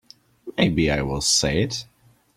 Maybe I will say it.